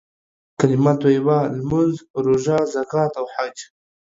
کليمه طيبه، لمونځ، روژه، زکات او حج.